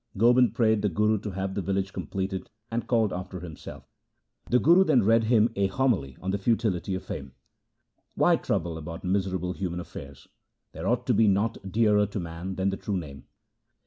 Gobind prayed the Guru to have the village completed and called after himself. The Guru then read him a homily on the futility of fame. ' Why trouble about miserable human affairs ? There ought to be naught dearer to man than the True Name.'